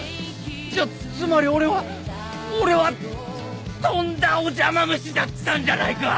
じゃあつまり俺は俺はとんだお邪魔虫だったんじゃないか！